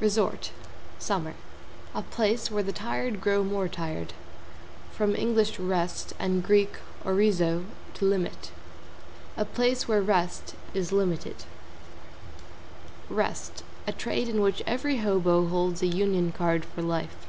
=RESORT= (=SUMMER=) A place where the tired grow more tired. From Eng. rest, and Grk. orizo, to limit. A place where rest is limited. =REST= A trade in which every hobo holds a Union Card for life.